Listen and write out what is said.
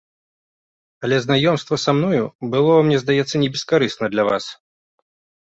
Але знаёмства са мною было, мне здаецца, небескарысна для вас?